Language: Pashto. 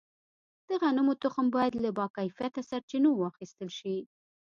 د غنمو تخم باید له باکیفیته سرچینو واخیستل شي.